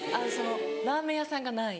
ラーメン屋さんがない。